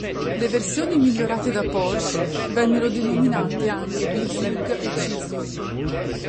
Le versioni migliorate da Porsche vennero denominate anche B-Zug e C-Zug.